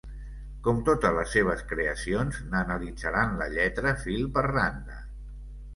Com totes les seves creacions, n’analitzaran la lletra fil per randa.